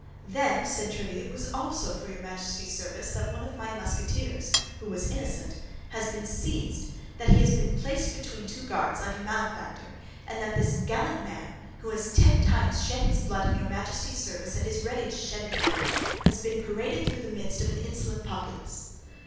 "Then," said Tréville, "it was also for your Majesty's service that one of my Musketeers, who was innocent, has been seized, that he has been placed between two guards like a malefactor, and that this gallant man, who has ten times shed his blood in your Majesty's service and is ready to shed it again, has been paraded through the midst of an insolent populace?"